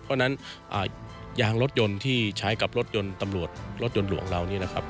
เพราะฉะนั้นยางรถยนต์ที่ใช้กับรถยนต์ตำรวจรถยนต์หลวงเรานี่นะครับ